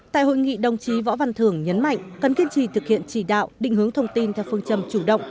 tại hội nghị đồng chí võ văn thường nhấn mạnh cần kiên trì thực hiện chỉ đạo định hướng thông tin theo phương châm chủ động